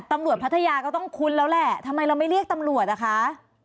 พัทยาก็ต้องคุ้นแล้วแหละทำไมเราไม่เรียกตำรวจอ่ะคะ